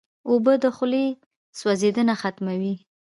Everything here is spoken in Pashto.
اوبه د خولې سوځېدنه ختموي.